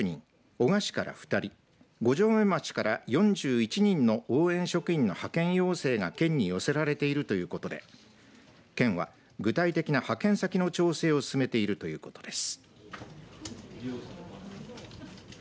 男鹿市から２人五城目町から４１人の応援職員の派遣要請が県に寄せられているということで、県は具体的な派遣先の調整を進めているということです。